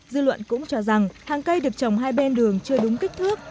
dư luận cũng cho rằng hàng cây được trồng hai bên đường chưa đúng kích thước